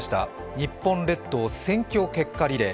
「ニッポン列島選挙結果リレー」。